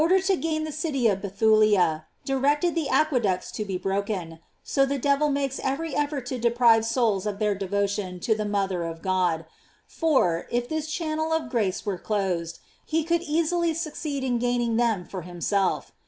f As Holof ernes, in order to gain the city of Bethulia, directed the aqueducts to be broken, so the devil makes every effort to deprive souls of their devotion to the mother of God ; for, if this channel of grace were closed, he could ea sily succeed in gaining them to himself.